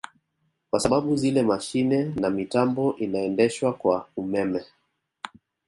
Kwa sababu zile mashine na mitambo inaendeshwa kwa ummeme